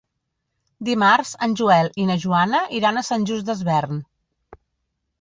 Dimarts en Joel i na Joana iran a Sant Just Desvern.